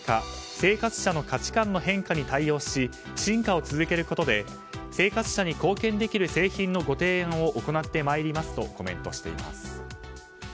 生活者の価値観の変化に対応し進化を続けることで生活者に貢献できる製品のご提案を行ってまいりますとコメントしています。